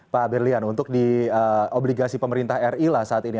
pak berlian untuk di obligasi pemerintah ri lah saat ini